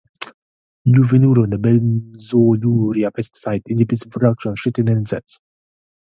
Lufenuron, a benzoylurea pesticide, inhibits the production of chitin in insects.